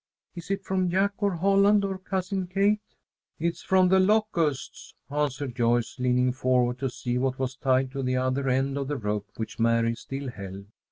Is it from Jack or Holland or Cousin Kate?" "It is from The Locusts," answered Joyce, leaning forward to see what was tied to the other end of the rope which Mary still held.